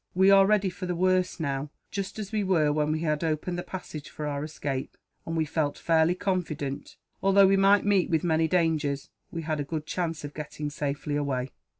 We are ready for the worst, now; just as we were when we had opened the passage for our escape, and we felt fairly confident although we might meet with many dangers, we had a good chance of getting safely away."